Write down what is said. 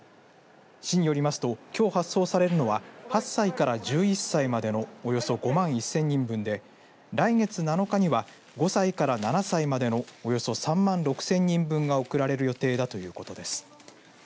市によりますときょう発送されるのは８歳から１１歳までのおよそ５万１０００人分で来月７日には５歳から７歳までのおよそ３万６０００人分が送られる予定だということです。